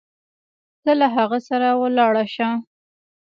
ته له هغه سره ولاړه شه.